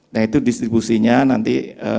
nah itu distribusinya nanti